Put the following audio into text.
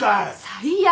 最悪！